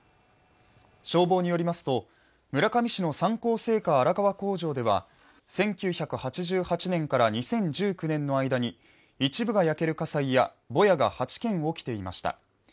消防によりますと、村上市の三幸製菓荒川工場では１９８８年から２０１９年の間に一部が焼ける火災やぼやが８件起きていました。